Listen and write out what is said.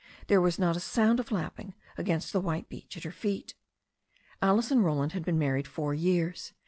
There was not a sound of lapping against the white beach at her feet. Alice and Roland had been married four years.